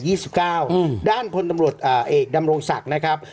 ยี่สิบเก้าอืมด้านพวงตำรวจเอ่อเอกดำรงสักนะครับ